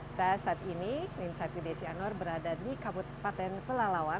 saya saat ini ninsad widiasi anwar berada di kabupaten palelawan